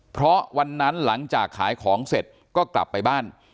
เพราะวันนั้นหลังจากขายของเสร็จก็กลับไปบ้าน